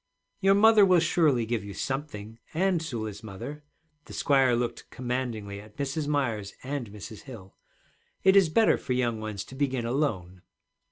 'Your mother will surely give you something, and Sula's mother.' The squire looked commandingly at Mrs. Myers and Mrs. Hill. 'It is better for young ones to begin alone.'